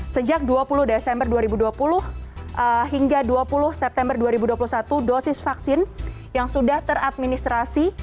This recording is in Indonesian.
sejak dua puluh desember dua ribu dua puluh hingga dua puluh september dua ribu dua puluh satu dosis vaksin yang sudah teradministrasi